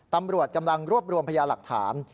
ตำรวจกำลังรวบรวมพยาหลักฐาน